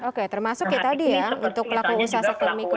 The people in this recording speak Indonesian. oke termasuk ya tadi ya untuk pelaku usaha sektor mikro